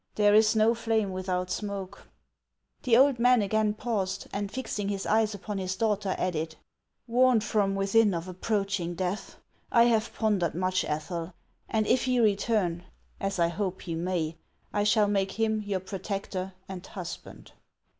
There is no flame without smoke." The old man again paused, and fixing his eyes upon his daughter, added :" Warned from within of approaching death, I have pondered much, Ethel , and if he return, as I hope he may, I shall make him your protector and husband."